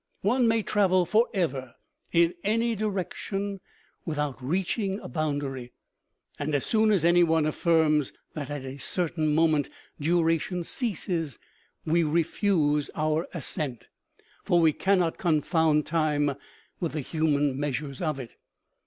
One may travel forever, in any direc tion, without reaching a boundary, and as soon as anyone affirms that at a certain moment duration ceases, we refuse our assent ; for we cannot confound time with the human measures of it.